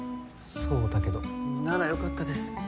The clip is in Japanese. そうだけどならよかったです